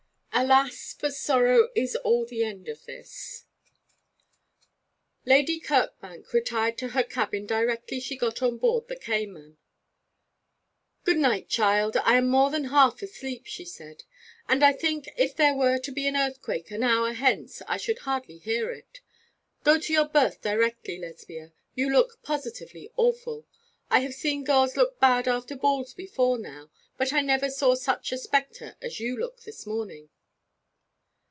'ALAS, FOR SORROW IS ALL THE END OF THIS' Lady Kirkbank retired to her cabin directly she got on board the Cayman. 'Good night, child! I am more than half asleep,' she said; 'and I think if there were to be an earthquake an hour hence I should hardly hear it. Go to your berth directly, Lesbia; you look positively awful. I have seen girls look bad after balls before now, but I never saw such a spectre as you look this morning.'